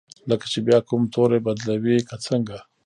لکه چې بیا کوم توری بدلوي که څنګه؟